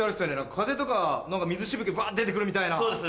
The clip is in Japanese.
風とか水しぶきがファって出て来るみたいな。